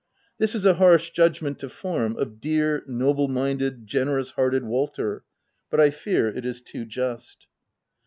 This is a harsh judgment to form of "dear, noble minded, generous hearted Wal ter/' but I fear it is too just.